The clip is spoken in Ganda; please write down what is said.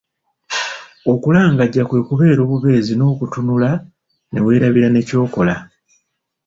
Okulangajja kwe kubeera obubeezi n'okutunula ne weerabira ne ky'okola.